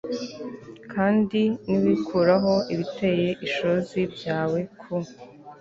kandi niwikuraho ibiteye ishozi byawe ku